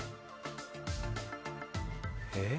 えっ。